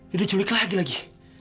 dia diculik lagi lagi